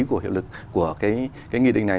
của hiệu lực của cái nghị định này